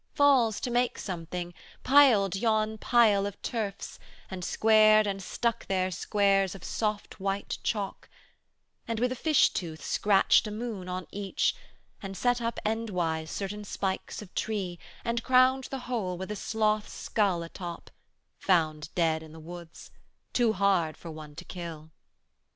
'Falls to make something: 'piled yon pile of turfs, And squared and stuck there squares of soft white chalk, And, with a fish tooth, scratched a moon on each, And set up endwise certain spikes of tree, 195 And crowned the whole with a sloth's skull a top, Found dead i' the woods, too hard for one to kill.